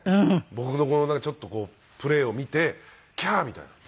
僕のちょっとプレーを見て「キャー」みたいな。